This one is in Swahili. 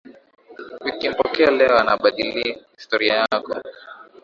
Ukimpokea leo anabadili historia yako.